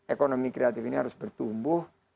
ekonomi kreatif ini harus bertumbuh